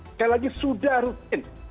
sekali lagi sudah rutin